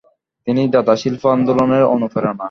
তিনি দাদা শিল্প আন্দোলনের অনুপ্রেরণা।